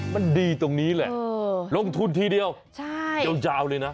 มันดีตรงนี้แหละลงทุนทีเดียวยาวเลยนะ